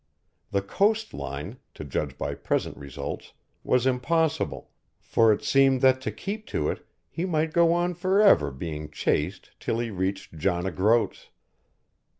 The coast line, to judge by present results, was impossible, for it seemed that to keep to it he might go on for ever being chased till he reached John o' Groats.